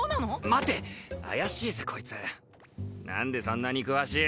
待て怪しいぜこいつ何でそんなに詳しい？